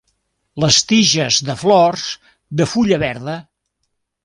Les tiges de flors de fulla verda.